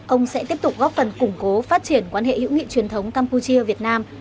ông sẽ tiếp tục góp phần củng cố phát triển quan hệ hữu nghị truyền thống campuchia việt nam